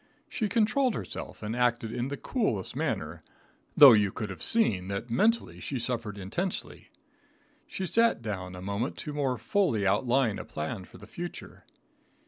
She controlled herself and acted in the coolest manner, though you could have seen that mentally she suffered intensely. She sat down a moment to more fully outline a plan for the future.